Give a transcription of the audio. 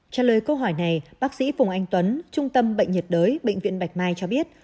trả lời câu hỏi này bác sĩ phùng anh tuấn trung tâm bệnh nhiệt đới bệnh viện bạch mai cho biết